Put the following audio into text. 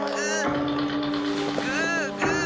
グーグー。